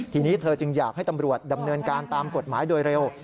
ทีนี้เธอจึงอยากให้ตำรวจดำเนินการตามกฎหมายโดยเร็ว